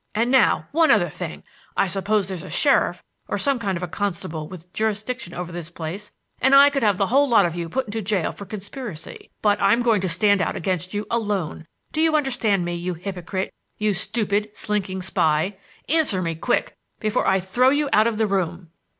And now one other thing! I suppose there's a sheriff or some kind of a constable with jurisdiction over this place, and I could have the whole lot of you put into jail for conspiracy, but I'm going to stand out against you alone,—do you understand me, you hypocrite, you stupid, slinking spy? Answer me, quick, before I throw you out of the room!"